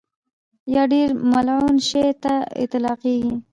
یا ډېر ملعون شي ته اطلاقېږي.